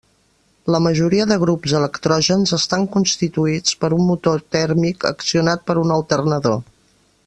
La majoria de grups electrògens estan constituïts per un motor tèrmic accionat per un alternador.